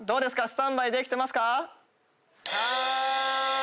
スタンバイできてますか？